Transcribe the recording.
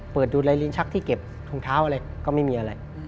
เปิดดูลายลิ้นชักที่เก็บถุงเท้าอะไรก็ไม่มีอะไร